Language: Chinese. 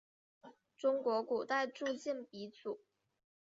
中国古代铸剑鼻祖。